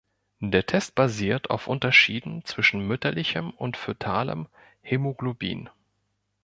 Der Test basiert auf Unterschieden zwischen mütterlichem und fötalem Hämoglobin.